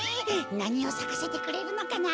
なにをさかせてくれるのかな？